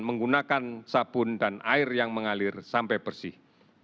menggunakan sabun dan air yang mengalir sampai bersih